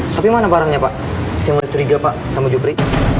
tapi mana barangnya pak saya mulai curiga pak sama jupri